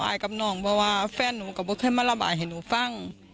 กับน้องเพราะว่าแฟนหนูก็บอกให้มาระบายให้หนูฟัง